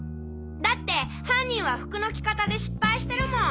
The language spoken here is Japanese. だって犯人は服の着方で失敗してるもん！